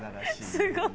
すごい。